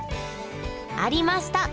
ありました！